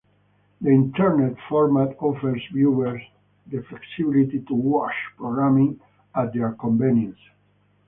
The Internet format offers viewers the flexibility to watch programming at their convenience.